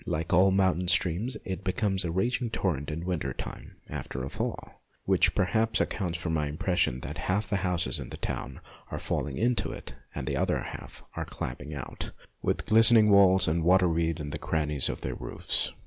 Like all mountain streams, it becomes a raging torrent in winter time after a thaw, which perhaps accounts for my impression that half the houses in the town are falling into it and that the other half are climbing out with glistening walls and waterweed in the crannies of their roofs.